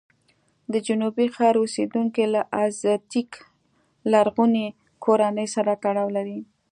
د جنوبي ښار اوسېدونکي له ازتېک لرغونې کورنۍ سره تړاو لري.